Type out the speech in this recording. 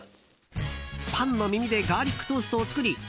パンの耳でガーリックトーストを作り